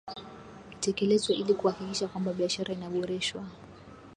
Itekelezwe ili kuhakikisha kwamba biashara inaboreshwa